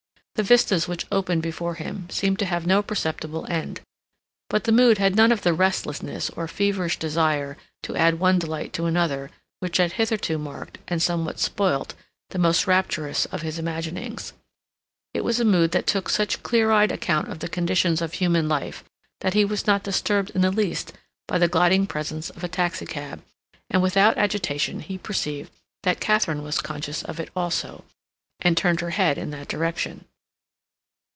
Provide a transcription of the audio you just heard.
The vistas which opened before him seemed to have no perceptible end. But the mood had none of the restlessness or feverish desire to add one delight to another which had hitherto marked, and somewhat spoilt, the most rapturous of his imaginings. It was a mood that took such clear eyed account of the conditions of human life that he was not disturbed in the least by the gliding presence of a taxicab, and without agitation he perceived that Katharine was conscious of it also, and turned her head in that direction.